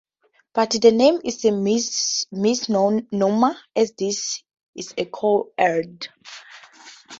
But the name is a misnomer as this is a co-ed.